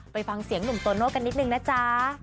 ไปฟังเสียงหนุ่มโตโน่กันนิดนึงนะจ๊ะ